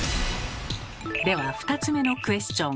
では２つ目のクエスチョン。